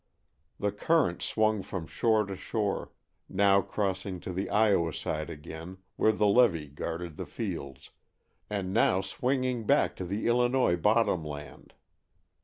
The current swung from shore to shore, now crossing to the Iowa side again, where the levee guarded the fields, and now swinging back to the Illinois bottom land.